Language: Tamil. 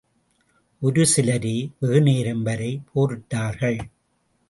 ஒரு சிலரே வெகு நேரம் வரை போரிட்டார்கள்.